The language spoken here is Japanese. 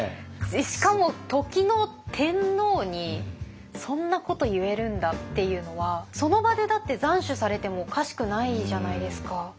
しかも時の天皇にそんなこと言えるんだっていうのはその場でだって斬首されてもおかしくないじゃないですか。